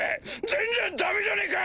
全然ダメじゃねぇか！